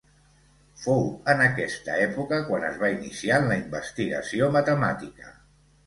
Fou en aquesta època quan es va iniciar en la investigació matemàtica.